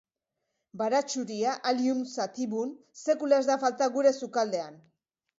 Baratxuria, Allium sativum, sekula ez da falta gure sukaldean.